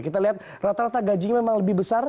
kita lihat rata rata gajinya memang lebih besar